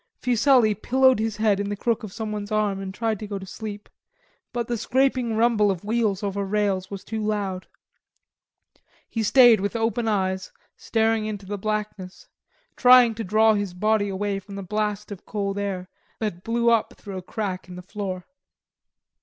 Fuselli pillowed his head in the crook of someone's arm and tried to go to sleep, but the scraping rumble of wheels over rails was too loud; he stayed with open eyes staring into the blackness, trying to draw his body away from the blast of cold air that blew up through a crack in the floor.